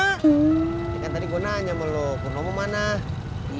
hari gue nanya grandparents mana ianya jak saya tahu kamu tahu nanya